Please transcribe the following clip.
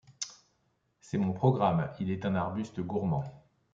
C'est mon programme. Il est un arbuste gourmand